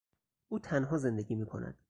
او تنها زندگی میکند.